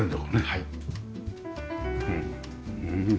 はい。